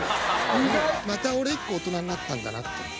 また俺１個大人になったんだなって。